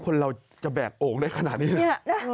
คนเราจะแบกโอ่งได้ขนาดนี้เลย